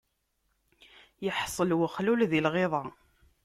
Iḥṣel uxlul di lɣiḍa.